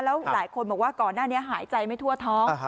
แล้วหลายคนบอกว่าก่อนหน้านี้หายใจไม่ทั่วท้อง